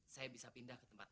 saya bisa pindah ke tempat